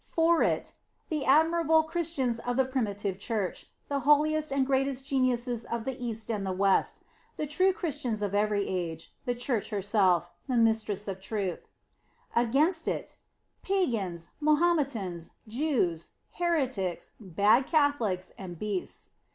For zV. ^The admirable Christians of the primitive Church; the holiest and greatest geniuses of the East and the West; the true Christians of every age ; the Church herself, the Mistress of truth, In the Nineteenth Century. 55 Against it: Pagan, Mahometans, Jews, Heretics, bad Catholics, and beasts.